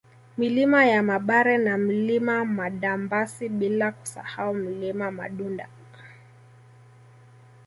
Milima ya Mabare na Mlima Madambasi bila kusahau Mlima Madunda